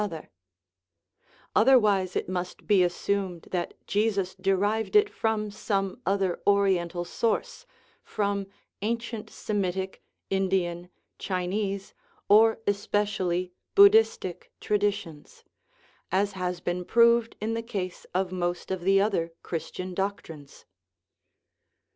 Otherwise it must be assumed that Jesus derived it from some other Oriental source, from ancient Semitic, Indian, Chinese, or especially Buddhistic traditions, as has been proved in the case of most of the other Christian doctrines.